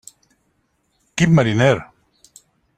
Quin mariner!